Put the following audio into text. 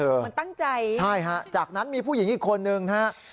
เหมือนตั้งใจใช่ฮะจากนั้นมีผู้หญิงอีกคนนึงฮะ